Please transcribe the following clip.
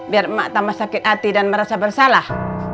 biar emak tambah sakit hati dan merasa bersalah